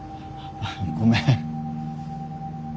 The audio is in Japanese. ごめん。